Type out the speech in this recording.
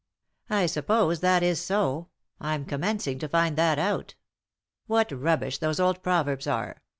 " I suppose that is so ; I'm commencing to find that out What rubbish those old proverbs are